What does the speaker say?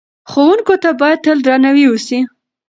ښوونکو ته باید تل درناوی وسي.